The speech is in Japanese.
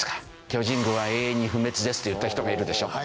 巨人軍は永遠に不滅ですって言った人がいるでしょ。